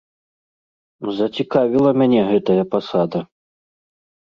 Зацікавіла мяне гэтая пасада.